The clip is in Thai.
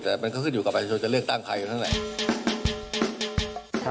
แต่มันก็ขึ้นอยู่กลับไปจะเลือกตั้งใครอยู่ทั้งไหน